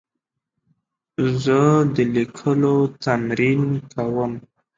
زه د لیکلو تمرین کوم.